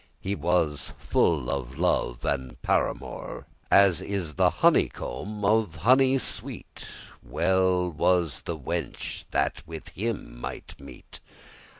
He was as full of love and paramour, As is the honeycomb of honey sweet; Well was the wenche that with him might meet.